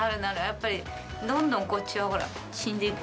やっぱりどんどんこっちは死んでいくじゃん。